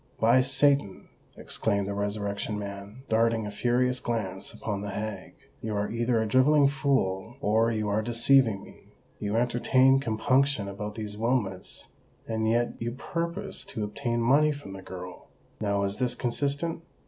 "By Satan," exclaimed the Resurrection Man, darting a furious glance upon the hag, "you are either a drivelling fool, or you are deceiving me. You entertain compunction about these Wilmots—and yet you purpose to obtain money from the girl. Now is this consistent?